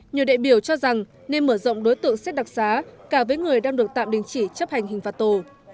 nhiều đại biểu cho rằng nên mở rộng đối tượng xét đặc xá cả với người đang được tạm đình chỉ chấp hành hình phạt tù